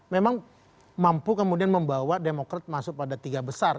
memang mampu kemudian membawa demokrat masuk pada tiga besar